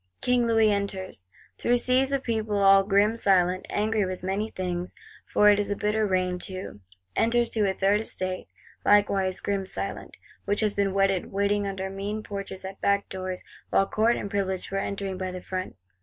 King Louis enters, through seas of people, all grim silent, angry with many things,—for it is a bitter rain too. Enters, to a Third Estate, likewise grim silent; which has been wetted waiting under mean porches, at back doors, while Court and Privileged were entering by the front.